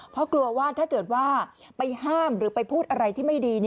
เพราะกลัวว่าถ้าเกิดว่าไปห้ามหรือไปพูดอะไรที่ไม่ดี